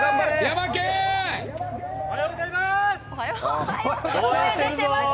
おはようございます。